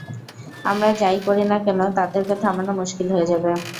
আমরা যা-ই করি না কেন, তাদেরকে থামানো মুশকিল হয়ে যাবে, স্যার।